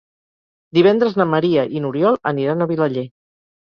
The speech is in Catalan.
Divendres na Maria i n'Oriol aniran a Vilaller.